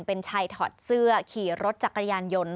เป็นชายถอดเสื้อขี่รถจักรยานยนต์